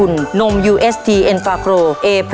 ทางโรงเรียนยังได้จัดซื้อหม้อหุงข้าวขนาด๑๐ลิตร